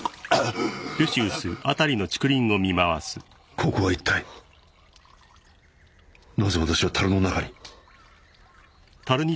ここは一体なぜ私は樽の中に？